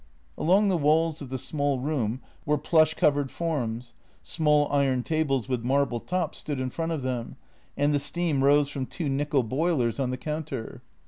Along the walls of the small room were plush covered forms; small iron tables with marble tops stood in front of them, and the steam rose from two nickel boilers on the counter.